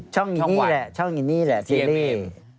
ช่องนี้แหละช่องอินนี่แหละซีรีส์